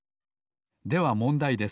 ではもんだいです。